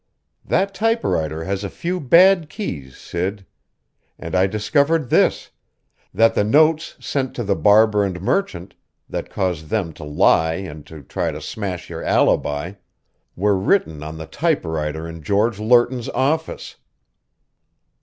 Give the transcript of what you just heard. "That typewriter has a few bad keys, Sid. And I discovered this that the notes sent to the barber and merchant, that caused them to lie and try to smash your alibi, were written on the typewriter in George Lerton's office!"